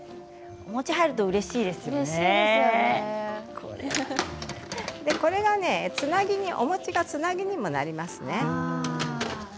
お餅が入るとこれがつなぎにお餅がつなぎにもなりますね。